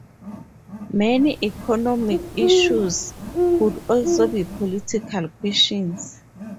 Many economic issues could also be political questions.